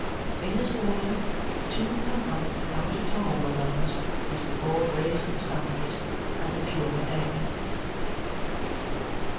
In this order, the two come up out of Tom all Alone's into the broad rays of the sunlight and the purer air.